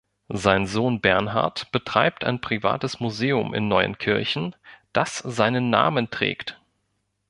Sein Sohn Bernhard betreibt ein privates Museum in Neuenkirchen, das seinen Namen trägt.